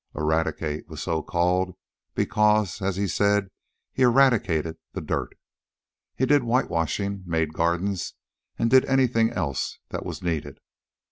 Eradicate was so called because, as he said, he "eradicated" the dirt. He did whitewashing, made gardens, and did anything else that was needed.